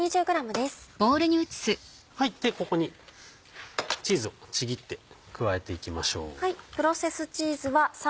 ここにチーズをちぎって加えていきましょう。